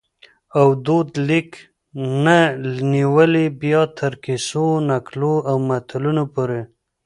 او دود لیک نه نیولي بیا تر کیسو ، نکلو او متلونو پوري